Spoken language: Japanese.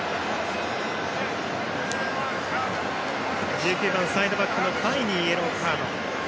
１９番、サイドバックファイにイエローカード。